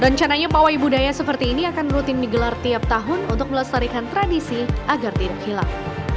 rencananya pawai budaya seperti ini akan rutin digelar tiap tahun untuk melestarikan tradisi agar tidak hilang